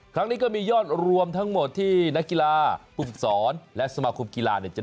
ครั้งนี้ก็มียอดรวมทั้งหมดที่นักกีฬาผู้ฝึกศรและสมาคมกีฬาเนี่ย